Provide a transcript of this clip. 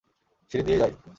সিঁড়ি দিয়েই যাই।